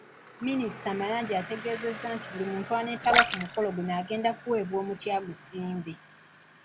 Minisita Mayanja ategezeezza nti buli muntu aneetaba ku mukolo guno agenda kuweebwa omuti agusimbe.